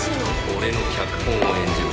「俺の脚本を演じろ」